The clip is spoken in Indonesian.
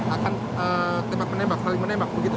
akan tembak menembak saling menembak begitu